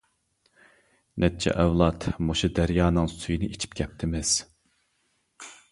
نەچچە ئەۋلاد مۇشۇ دەريانىڭ سۈيىنى ئىچىپ كەپتىمىز.